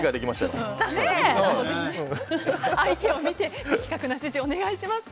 相手を見て的確な指示をお願いします。